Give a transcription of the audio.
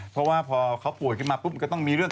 เพราะว่าพอเขาป่วยขึ้นมาปุ๊บมันก็ต้องมีเรื่อง